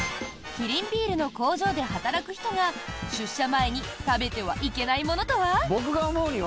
キリンビールの工場で働く人が出社前に食べてはいけないものとは？